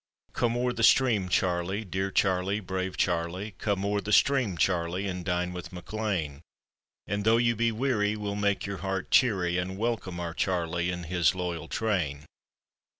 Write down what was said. """ Come o'er the stream, Charlie, dear Charlie, brave Charlie, Come o'er the stream, Charlie, and dine with Mac Lean; And though you be weary, we'll make your heart cheery, And welcome our Charlie and his loyal train.